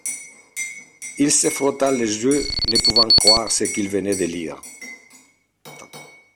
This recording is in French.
Il se frotta les yeux, ne pouvant croire ce qu’il venait de lire.